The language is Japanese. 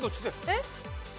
えっ？